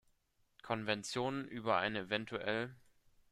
Konventionen über eine evtl.